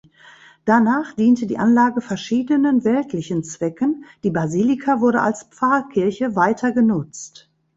Danach diente die Anlage verschiedenen weltlichen Zwecken, die Basilika wurde als Pfarrkirche weiter genutzt.